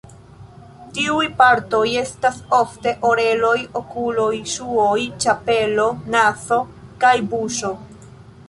Tiuj partoj estas ofte oreloj, okuloj, ŝuoj, ĉapelo, nazo kaj buŝo.